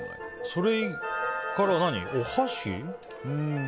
それから何、お箸？